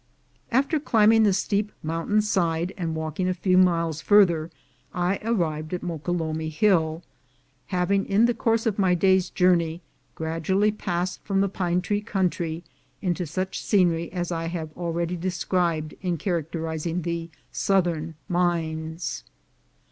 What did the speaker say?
After climbing the steep mountain side and walking A MOUNTAIN OF GOLD 295 a few miles farther, I arrived at Moquelumne Hill, having, in the course of my day's journey, gradually passed from the pine tree country into such scenery as I have already described as .characterizing the southern mines.